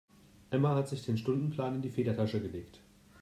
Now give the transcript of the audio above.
Emma hat sich den Stundenplan in die Federtasche gelegt.